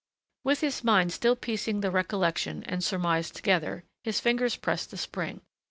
With his mind still piecing the recollection and surmise together his fingers pressed the spring.